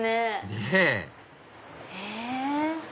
ねぇへぇ。